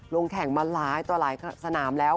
ลงแข่งมาร้ายตัวรายสนามแล้ว